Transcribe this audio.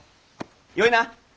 よいな？